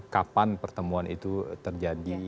kapan pertemuan itu terjadi